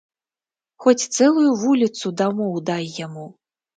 Хоць цэлую вуліцу дамоў дай яму.